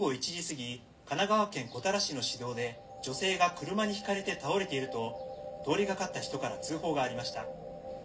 神奈川県古多良市の市道で女性が車にひかれて倒れていると通り掛かった人から通報がありました。